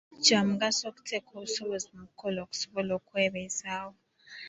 Kya mugaso okuteeka obusobozi bwo mu kukola okusobola okwebezaawo.